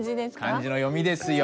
漢字の読みですよ。